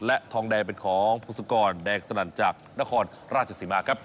และทองแดงเป็นของพศกรแดงสนั่นจากนครราชสีมาครับ